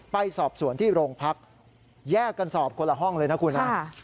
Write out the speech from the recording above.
ไปสอบสวนที่โรงพักแยกกันสอบคนละห้องเลยนะคุณนะ